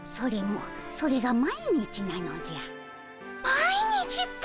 毎日っピ？